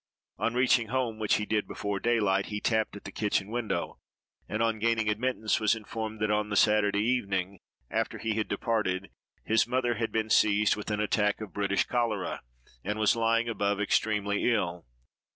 On reaching home, which he did before daylight, he tapped at the kitchen window, and, on gaining admittance, was informed that on the Saturday evening, after he had departed, his mother had been seized with an attack of British cholera, and was lying above, extremely ill.